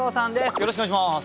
よろしくお願いします。